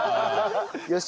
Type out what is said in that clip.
よし。